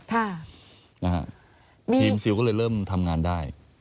ทีมซิลก็เลยเริ่มทำงานได้